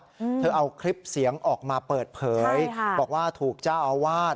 อืมเธอเอาคลิปเสียงออกมาเปิดเผยค่ะบอกว่าถูกเจ้าอาวาส